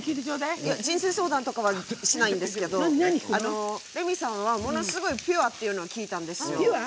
人生相談とかはしないんですけどレミさんは、ものすごいピュアというのを聞いたんですよ。